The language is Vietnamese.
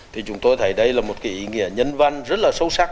thì chúng tôi thấy đây là một cái ý nghĩa nhân văn rất là sâu sắc